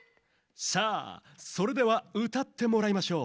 さあそれではうたってもらいましょう。